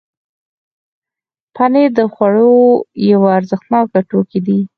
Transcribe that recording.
پنېر د خوړو یو ارزښتناک توکی دی.